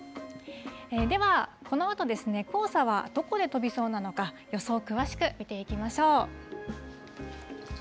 では、このあとですね、黄砂はどこで飛びそうなのか、予想を詳しく見ていきましょう。